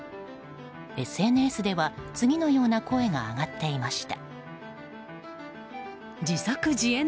ＳＮＳでは次のような声が上がっていました。